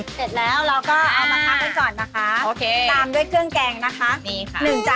เสร็จแล้วเราก็เอามาทาบขึ้นก่อนนะคะตามด้วยเครื่องแกงนะคะนี่ค่ะ